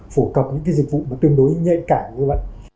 phổ cập những cái dịch vụ tương đối nhanh cả như vậy